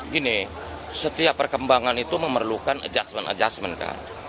gini setiap perkembangan itu memerlukan adjustment adjustment kan